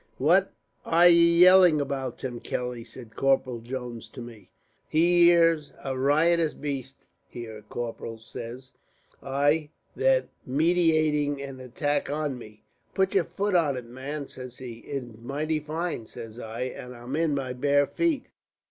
"'What are ye yelling about, Tim Kelly?' said Corporal Jones to me. "'Here's a riotous baste here, corporal,' says I, 'that's meditating an attack on me.' "'Put your foot on it, man,' says he. "'It's mighty fine,' says I, 'and I in my bare feet.'